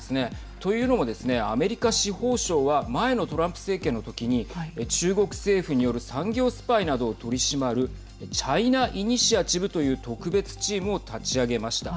というのもアメリカ司法省は前のトランプ政権の時に中国政府による産業スパイなどを取り締まるチャイナ・イニシアチブという特別チームを立ち上げました。